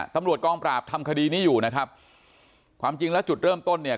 ตำรวจกองปราบทำคดีนี้อยู่นะครับความจริงแล้วจุดเริ่มต้นเนี่ย